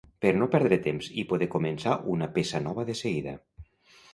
Per a no perdre temps i poder començar una peça nova de seguida.